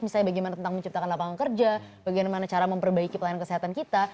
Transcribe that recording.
misalnya bagaimana tentang menciptakan lapangan kerja bagaimana cara memperbaiki pelayanan kesehatan kita